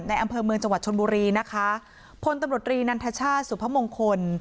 อำเภอเมืองจังหวัดชนบุรีนะคะพลตำรวจรีนันทชาติสุพมงคล